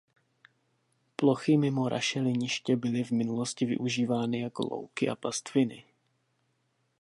Plochy mimo rašeliniště byly v minulosti využívány jako louky a pastviny.